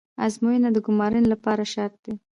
ازموینه د ګمارنې لپاره شرط ده